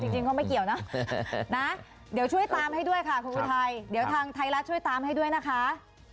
จริงก็ไม่เกี่ยวนะนะเดี๋ยวช่วยตามให้ด้วยค่ะคุณอุทัยเดี๋ยวทางไทยรัฐช่วยตามให้ด้วยนะคะ